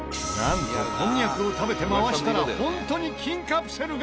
なんとこんにゃくを食べて回したらホントに金カプセルが降臨！